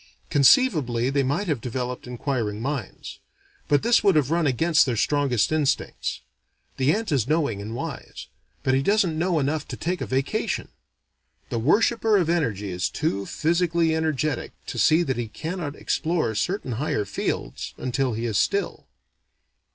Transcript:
Conceivably they might have developed inquiring minds. But this would have run against their strongest instincts. The ant is knowing and wise; but he doesn't know enough to take a vacation. The worshipper of energy is too physically energetic to see that he cannot explore certain higher fields until he is still.